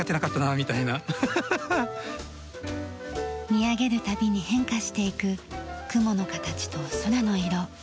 見上げる度に変化していく雲の形と空の色。